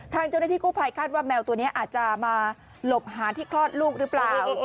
ทางเจ้าหน้าที่กู้ภัยคาดว่าแมวตัวนี้อาจจะมาหลบหาที่คลอดลูกหรือเปล่า